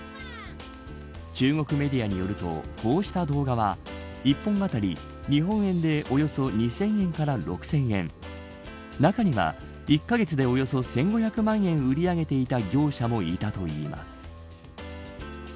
中国メディアによるとこうした動画は１本あたり日本円でおよそ２０００円から６０００円中には１カ月でおよそ１５００万円売り上げていた業者もいたといいます。